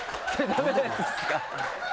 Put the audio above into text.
ダメなやつっすか？